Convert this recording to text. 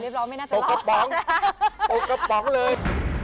รีบร้อยไม่น่าจะเล่านะครับเลย